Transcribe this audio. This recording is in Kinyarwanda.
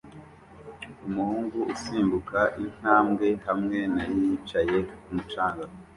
Umuhungu usimbuka intambwe hamwe na yicaye kumu canga